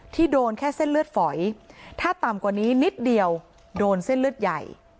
โดนแค่เส้นเลือดฝอยถ้าต่ำกว่านี้นิดเดียวโดนเส้นเลือดใหญ่